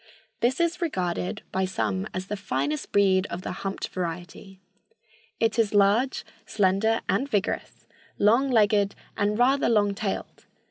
This is regarded by some as the finest breed of the humped variety. It is large, slender and vigorous, long legged and rather long tailed.